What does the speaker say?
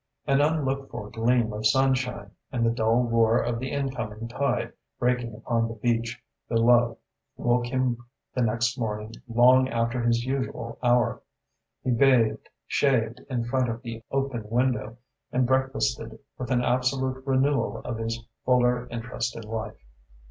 An unlooked for gleam of sunshine and the dull roar of the incoming tide breaking upon the beach below woke him the next morning long after his usual hour. He bathed, shaved in front of the open window, and breakfasted with an absolute renewal of his fuller interest in life.